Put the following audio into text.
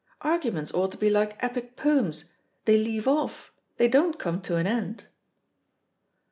Arguments ought to be like Epic poems, they leave off, they don't come to an end."